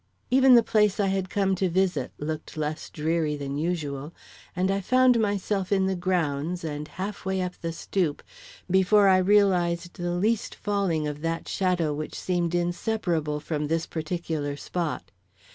Even the place I had come to visit looked less dreary than usual, and I found myself in the grounds and half way up the stoop, before I realized the least falling of that shadow which seemed inseparable from this particular spot.